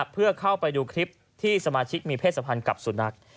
เพื่อเข้าไปดูคลิปที่สมาชิกมีเพศสัมพันธ์กับสุนัข